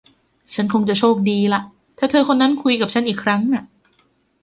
ฉันคงจะโชคดีล่ะ ถ้าเธอคนนั้นคุยกับฉันอีกครั้งน่ะ